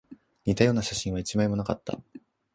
似たような写真は一枚もなかった